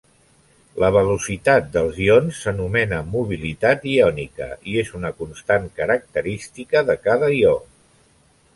La velocitat dels ions s'anomena mobilitat iònica i és una constant característica de cada ió.